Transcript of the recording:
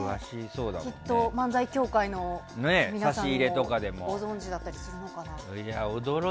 きっと漫才協会の皆さんもご存じだったりするのかな？